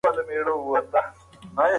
زده کړه په انټرنیټ کې هېڅ پوله نه پېژني.